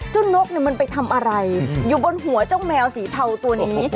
นกมันไปทำอะไรอยู่บนหัวเจ้าแมวสีเทาตัวนี้